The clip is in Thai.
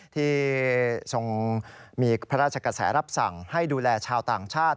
ที่ทรงมีพระราชกระแสรับสั่งให้ดูแลชาวต่างชาติ